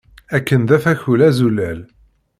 Akken d afakul azulal!